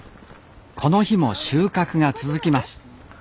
この日も収穫が続きます。